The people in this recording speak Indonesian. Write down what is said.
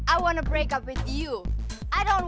aku mau berpisah dengan lo